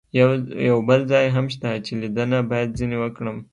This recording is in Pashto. یو بل ځای هم شته چې لیدنه باید ځنې وکړم.